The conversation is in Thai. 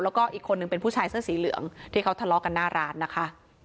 แล้วก็อีกคนนึงเป็นผู้ชายเสื้อสีเหลืองที่เขาทะเลาะกันหน้าร้านนะคะ